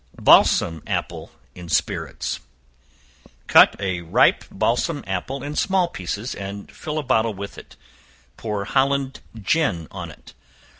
Balsam Apple in Spirits. Cut a ripe balsam apple in small pieces, and fill a bottle with it; pour Holland gin on it.